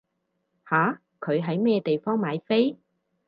吓？佢喺咩地方買飛？